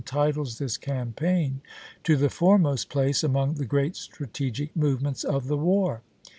titles this campaign to the foremost place among the great strategic movements of the war.